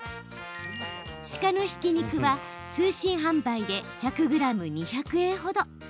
鹿のひき肉は、通信販売で１００ｇ２００円ほど。